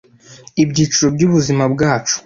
Ibyiciro byubuzima bwacu;